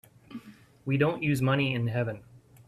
We don't use money in heaven.